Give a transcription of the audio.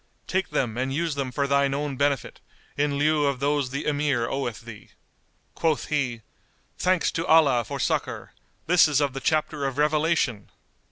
Take them and use them for thine own benefit, in lieu of those the Emir oweth thee." Quoth he, "Thanks to Allah for succour! This is of the chapter of revelation!"